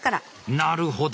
なるほど！